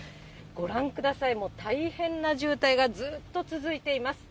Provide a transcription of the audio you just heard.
ご覧ください、大変な渋滞がずっと続いています。